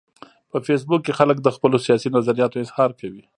په فېسبوک کې خلک د خپلو سیاسي نظریاتو اظهار کوي